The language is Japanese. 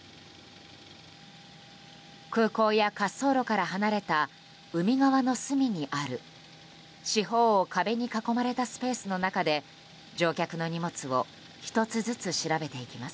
空港や滑走路から離れた海側の隅にある四方を壁に囲まれたスペースの中で乗客の荷物を１つずつ調べていきます。